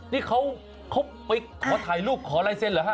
นี่เขาไปขอถ่ายรูปขอลายเซ็นเหรอฮะ